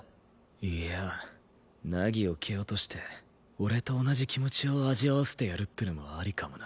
いや凪を蹴落として俺と同じ気持ちを味わわせてやるってのもありかもな。